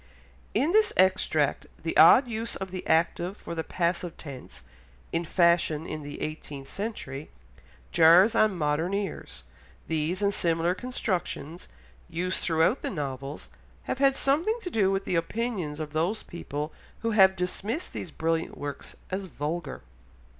In this extract the odd use of the active for the passive tense, in fashion in the eighteenth century, jars on modern ears, these and similar constructions, used throughout the novels, have had something to do with the opinions of those people who have dismissed these brilliant works as "vulgar."